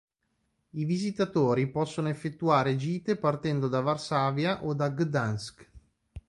I visitatori possono effettuare gite partendo da Varsavia o da Gdańsk.